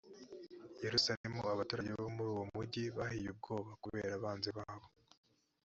yerusalemu abaturage bo muri uwo mugi bahiye ubwoba kubera abanzi babo